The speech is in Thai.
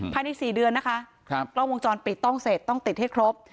ภายใน๔เดือนนะคะกล้องวงจรปิดต้องเสร็จต้องติดให้ครบ